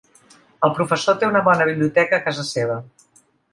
El professor té una bona biblioteca a casa seva.